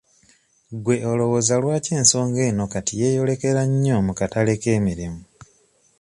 Gwe olowooza lwaki ensonga eno kati yeeyolekera nnyo mu katale k'emirimu?